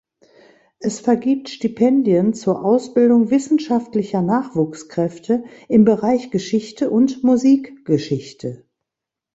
Es vergibt Stipendien zur Ausbildung wissenschaftlicher Nachwuchskräfte im Bereich Geschichte und Musikgeschichte.